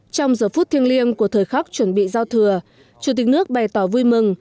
trong giờ phút thiêng liêng của thời khắc chuẩn bị giao thừa chủ tịch nước bày tỏ vui mừng